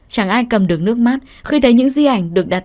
chẳng ai cầm được nước mát khi thấy những di ảnh được đặt